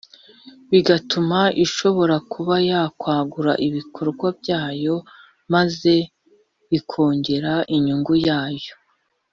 bigatuma ishobora kuba yakwagura ibikorwa byayo maze ikongera inyungu yayo